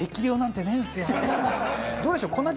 どうでしょう？